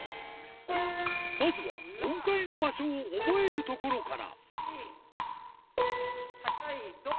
まずは、音階の場所を覚えるところから。